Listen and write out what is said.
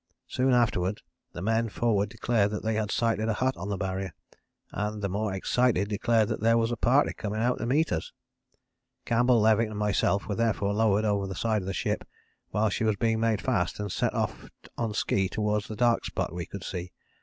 Soon afterwards the men forward declared that they sighted a hut on the Barrier, and the more excited declared that there was a party coming out to meet us. Campbell, Levick, and myself were therefore lowered over the side of the ship while she was being made fast, and set off on ski towards the dark spot we could see.